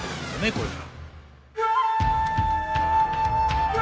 これが。